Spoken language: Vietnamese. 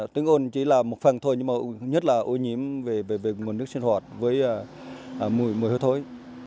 tiếng ồn chỉ là một phần thôi nhưng mà nhất là ô nhiễm về nguồn nước sinh hoạt với mùi mưa thối